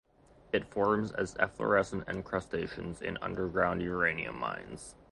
It forms as efflorescent encrustations in underground uranium mines.